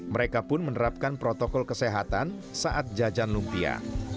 mereka pun menerapkan protokol kesehatan saat jajan lumpia